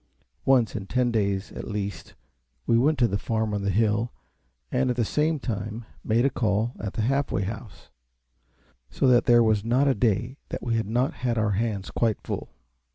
Once in ten days at least we went to the Farm on the hill, and at the same time made a call at the Half Way House; so that there was not a day that we had not our hands quite full.